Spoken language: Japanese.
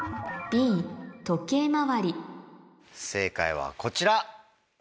正解はこちら。